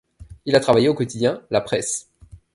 Il a travaillé au quotidien La Presse.